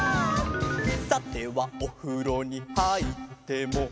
「さてはおふろにはいっても」